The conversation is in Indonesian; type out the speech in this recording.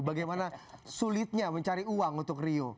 bagaimana sulitnya mencari uang untuk rio